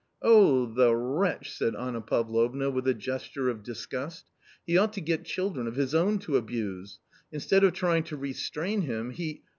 " Oh the wretch !" said Anna Pavlovna with a gesture of disgust. " He ought to get children of his own to abuse ! Instead of trying to restrain him, he